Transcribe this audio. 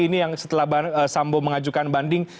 ini yang setelah sambo mengajukan banding